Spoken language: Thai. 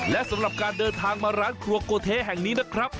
และสำหรับการเดินทางมาร้านครัวโกเทแห่งนี้นะครับ